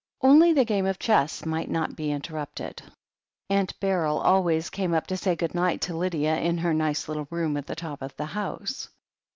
Only the game of chess might not be interrupted. Aunt Beryl always came up to say good night to Lydia in her nice little room at the top of the house.